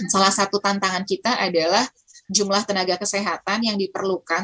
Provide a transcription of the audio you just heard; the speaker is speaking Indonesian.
salah satu tantangan kita adalah jumlah tenaga kesehatan yang diperlukan